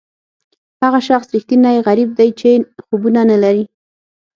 هغه شخص ریښتینی غریب دی چې خوبونه نه لري.